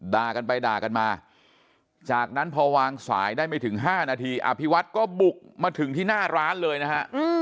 ด่ากันไปด่ากันมาจากนั้นพอวางสายได้ไม่ถึง๕นาทีอภิวัฒน์ก็บุกมาถึงที่หน้าร้านเลยนะฮะ